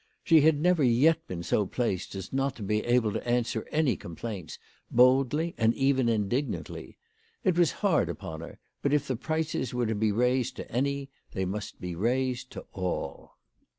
She had never yet been so placed as not to be able to answer any complaints, boldly and even indignantly. It was hard upon her ; but if the prices were to be raised to any, they must be raised to all.